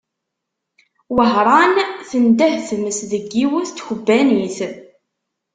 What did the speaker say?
Wehran, tendeh tmes deg yiwet n tkebbanit.